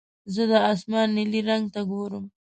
زه د اسمان نیلي رنګ ته ګورم.